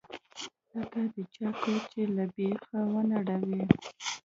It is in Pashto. لکه د چا کور چې له بيخه ونړوې.